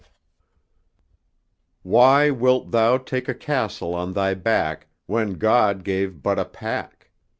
V Why wilt thou take a castle on thy back When God gave but a pack?